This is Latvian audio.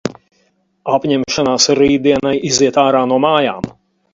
Apņemšanās rītdienai – iziet ārā no mājām.